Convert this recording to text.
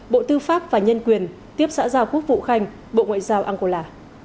bộ tư pháp và nhân quyền tiếp xã giao quốc vụ khanh bộ ngoại giao angola